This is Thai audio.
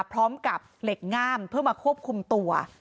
พร้อมกับเหล็กง่ามเพื่อมาควบคุมตัว